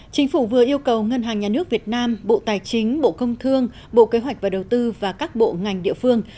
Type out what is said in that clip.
chính phủ vừa yêu cầu ngân hàng nhà nước việt nam bộ tài chính bộ công thương bộ kế hoạch và đầu tư và các bộ ngành địa phương